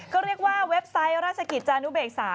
เขาเรียกว่าเว็บไซต์ราชกิจจานุเบกษา